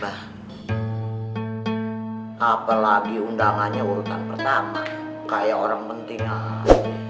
apalagi undangannya urutan pertama kayak orang penting aku